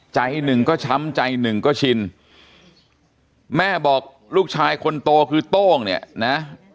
ใจหนึ่งก็ช้ำใจหนึ่งก็ชินแม่บอกลูกชายคนโตคือโต้งเนี่ยนะ